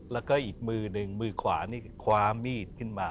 แล้วก็อีกมือหนึ่งมือขวานี่คว้ามีดขึ้นมา